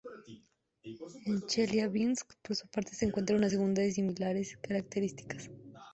En Cheliábinsk por su parte se encuentra una segunda de similares características.